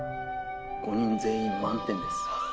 ５人全員満点です。